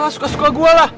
suka suka gua lah